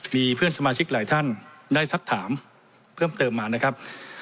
มีเพื่อนสมาชิกหลายท่านได้สักถามเพิ่มเติมมานะครับ